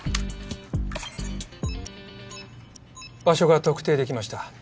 場所が特定できました。